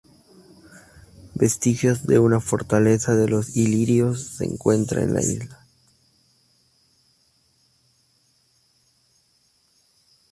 Vestigios de una Fortaleza de los ilirios se encuentran en la isla.